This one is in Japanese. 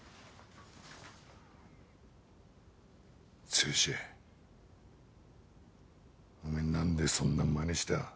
剛おめえ何でそんなまねした？